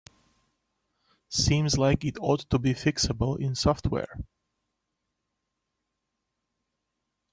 Seems like it ought to be fixable in software.